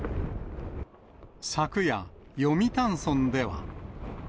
昨夜、読谷村では。